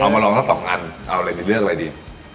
เอามานองกับสองอันเลือกอะไรดี